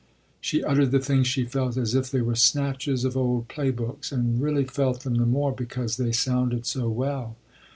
She uttered the things she felt as if they were snatches of old play books, and really felt them the more because they sounded so well.